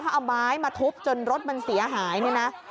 เขาเอาไม้มาทุบจนรถมันเสียหายเนี่ยนะ